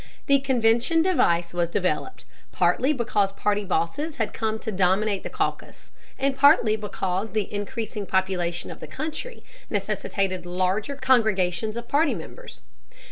The convention device was developed, partly because party bosses had come to dominate the caucus, and partly because the increasing population of the country necessitated larger congregations of party members.